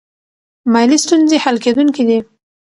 مالي ستونزې حل کیدونکې دي.